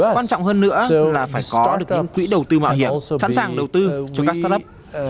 quan trọng hơn nữa là phải có được những quỹ đầu tư mạo hiểm sẵn sàng đầu tư cho các start up